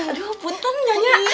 aduh buntung nyanyi